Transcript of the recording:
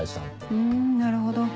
ふんなるほど。